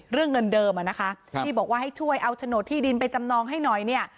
เรื่องเงินเดิมอ่ะนะคะที่บอกว่าให้ช่วยเอาโฉนดที่ดินไปจำนองให้หน่อยเนี่ย